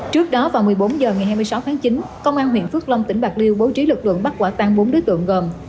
trước đó vào một mươi bốn h ngày hai mươi sáu tháng chín công an huyện phước long tỉnh bạc liêu bố trí lực lượng bắt quả tan bốn đối tượng gồm